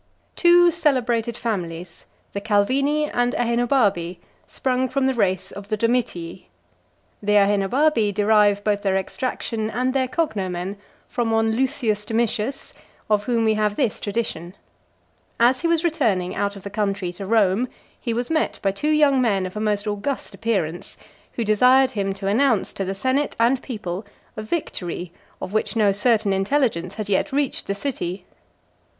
Two celebrated families, the Calvini and Aenobarbi, sprung from the race of the Domitii. The Aenobarbi derive both their extraction and their cognomen from one Lucius Domitius, of whom we have this tradition: As he was returning out of the country to Rome, he was met by two young men of a most august appearance, who desired him to announce to the senate and people a victory, of which no certain intelligence had yet reached the city.